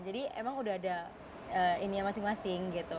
jadi emang sudah ada masing masing gitu